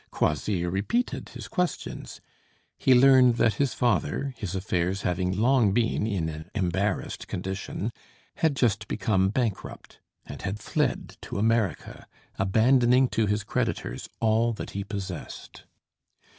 Croisilles repeated his questions; he learned that his father, his affairs having long been in an embarrassed condition, had just become bankrupt, and had fled to America, abandoning to his creditors all that he possessed.